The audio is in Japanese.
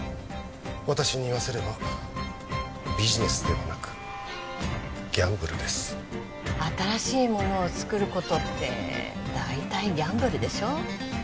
私に言わせればビジネスではなくギャンブルです新しいものをつくることって大体ギャンブルでしょ